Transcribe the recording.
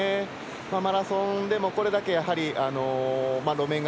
マラソンでも、これだけ路面が